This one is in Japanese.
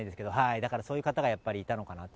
だからそういう方がやっぱりいたのかなと。